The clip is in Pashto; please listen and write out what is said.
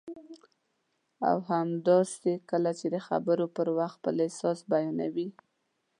او همداسې کله چې د خبرو پر وخت خپل احساس بیانوي